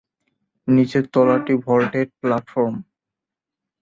নিচের তলাটি vaulted platform.